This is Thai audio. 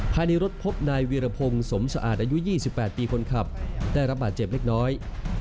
ภายในรถพบนายวีรพงศ์สมสะอาดอายุ๒๘ปีคนขับได้รับบาดเจ็บเล็กน้อย